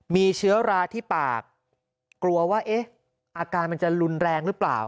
มีเชื้อราที่ปากกลัวว่าเอ๊ะอาการมันจะรุนแรงหรือเปล่า